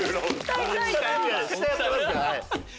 下やってますから。